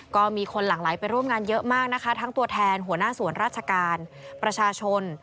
ก็มีคนหลั่งไหลไปร่วมงานเยอะมากนะคะทั้งตัวแทนหัวหน้าส่วนราชการประชาชน